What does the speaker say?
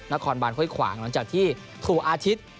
นครบานห้วยขวางหลังจากที่ถูกอาทิตย์